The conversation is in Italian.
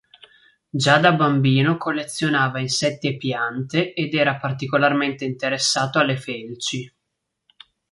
Già da bambino collezionava insetti e piante ed era particolarmente interessato alle felci.